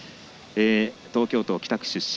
東京都北区出身。